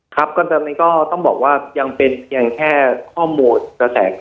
ครับก็ตอนนี้ก็ต้องบอกว่ายังเป็นเพียงแค่ข้อมูลกระแส